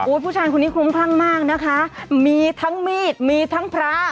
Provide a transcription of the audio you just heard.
ผู้ชายคนนี้คลุ้มคลั่งมากนะคะมีทั้งมีดมีทั้งพระ